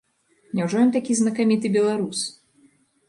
Няўжо ён такі знакаміты беларус?